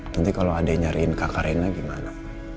nanti kalau ada yang nyariin kakak rena gimana